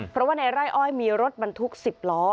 เพราะว่าในไร่อ้อยมีรถบรรทุก๑๐ล้อ